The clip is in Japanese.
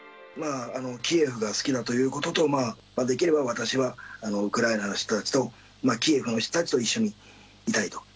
キエフが好きだということと、できれば私は、ウクライナの人たちと、キエフの人たちと一緒にいたいと。